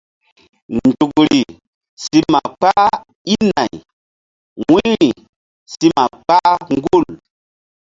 Nzukri si ma kpah i nay wu̧yri si ma kpah gul.